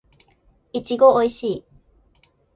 いちごおいしい